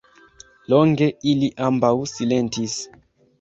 Longe ili ambaŭ silentis.